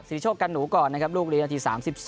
โชคกันหนูก่อนนะครับลูกนี้นาที๓๒